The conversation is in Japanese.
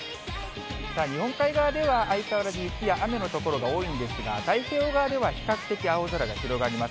日本海側では相変わらず雪や雨の所が多いんですが、太平洋側では比較的青空が広がります。